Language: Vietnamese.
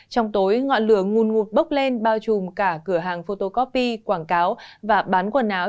trong tối ngọn lửa nguồn ngụt bốc lên bao trùm cả cửa hàng photocopy quảng cáo và bán quần áo